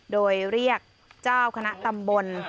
โดยเรียกเจ้าคณะตำบล